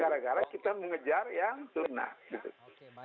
gara gara kita mengejar yang sunnah gitu